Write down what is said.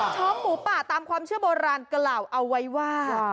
ท้องหมูป่าตามความเชื่อโบราณกล่าวเอาไว้ว่า